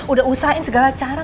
udah usahain segala cara